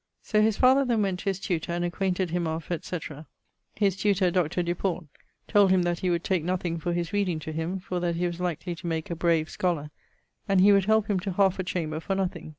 So his father then went to his tutor and acquainted him of, etc. His tutor, Dr. Duport, told him that he would take nothing for his reading to him, for that he was likely to make a brave scholar, and he would helpe him to halfe a chamber for nothing.